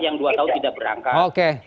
yang dua tahun tidak berangkat